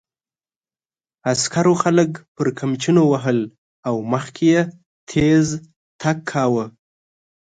عسکرو خلک پر قمچینو وهل او مخکې یې تېز تګ کاوه.